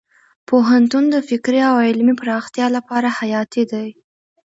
پوهنتون د فکري او علمي پراختیا لپاره حیاتي دی.